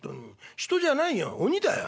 人じゃないや鬼だよ。